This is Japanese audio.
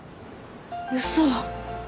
嘘。